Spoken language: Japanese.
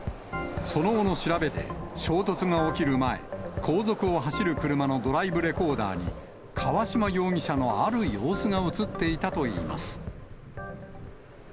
その後の調べで、衝突が起きる前、後続を走る車のドライブレコーダーに、川島容疑者のある様子が写っていたといいます。